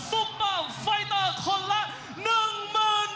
ซุปเฟ้อไฟเตอร์คนละ๑๐๐๐๐บาท